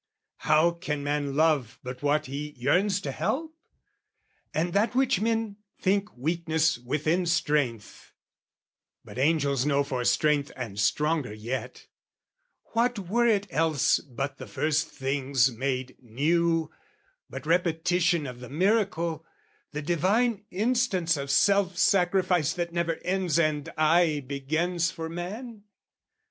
How can man love but what he yearns to help? And that which men think weakness within strength, But angels know for strength and stronger yet What were it else but the first things made new, But repetition of the miracle, The divine instance of self sacrifice That never ends and aye begins for man?